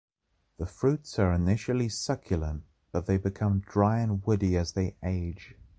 The fruits are initially succulent but they become dry and woody as they age.